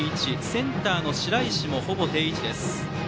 センターの白石もほぼ定位置です。